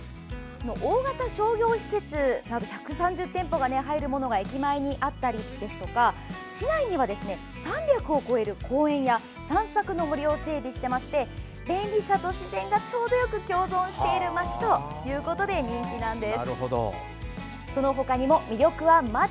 大型商業施設１３０店舗が入るものが駅前にあったりだとか市内には３００を超える公園や散策の森を整備していまして便利さと自然がちょうどよく共存している街ということで人気なんです。